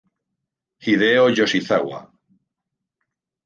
Hideo Yoshizawa